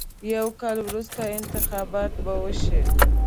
یو کال وروسته انتخابات به وشي.